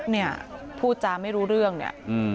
เนี่ยพูดจาไม่รู้เรื่องเนี่ย